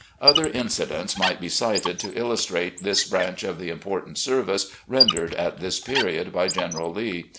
Other incidents might be cited to illustrate this branch of the important service rendered at this period by General Lee.